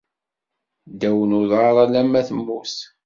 Ddaw n uḍar alamma temmut.